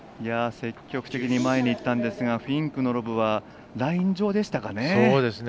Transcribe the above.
積極的に前にいったんですがフィンクのロブはライン上でしたかね。